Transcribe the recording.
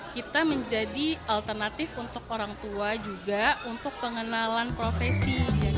kita menjadi alternatif untuk orang tua juga untuk pengenalan profesi